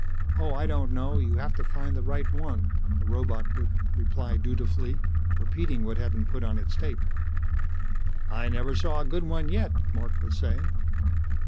"Oh, I don't know. You have to find the right one." The robot would reply dutifully, repeating what had been put on its tape. "I never saw a good one yet," Mark would say.